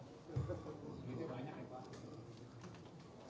sedikit banyak eh pak